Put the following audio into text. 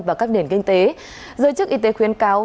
vào các nền kinh tế giới chức y tế khuyến cáo